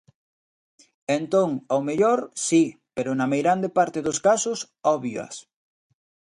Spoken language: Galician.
Entón, ao mellor, si, pero na meirande parte dos casos, óbvioas.